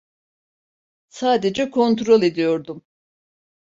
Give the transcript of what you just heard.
Sadece kontrol ediyordum.